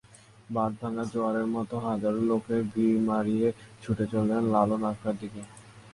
বাঁধভাঙা জোয়ারের মতো হাজারো লোকের ভিড় মাড়িয়ে ছুটে চলেছেন লালন আখড়ার দিকে।